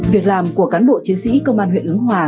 việc làm của cán bộ chiến sĩ công an huyện ứng hòa